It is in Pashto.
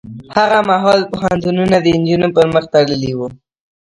هغه مهال پوهنتونونه د نجونو پر مخ تړلي وو.